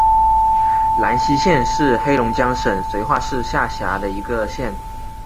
兰西县是黑龙江省绥化市下辖的一个县。